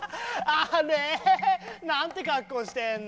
あれ？なんてかっこうしてんの？